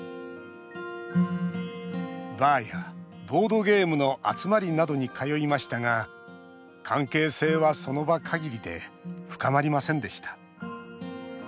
バーやボードゲームの集まりなどに通いましたが関係性はその場限りで深まりませんでした。